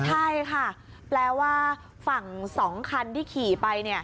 ใช่ค่ะแปลว่าฝั่ง๒คันที่ขี่ไป